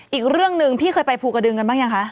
อีกเรื่องหนึ่งพี่เคยไปภูกระดึงกันบ้างยังคะ